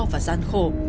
và gian khổ